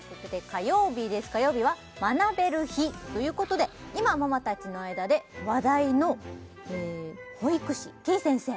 火曜日は学べる日ということで今ママたちの間で話題の保育士てぃ先生